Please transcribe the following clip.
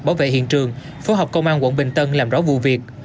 bảo vệ hiện trường phố học công an quận bình tân làm rõ vụ việc